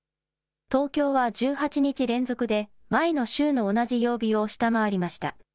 東京は１８日連続で、前の週の同じ曜日を下回りました。